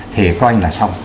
thì coi anh là xong